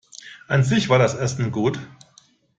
An sich war das Essen gut.